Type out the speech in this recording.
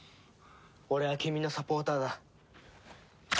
俺は君のサポーターだ！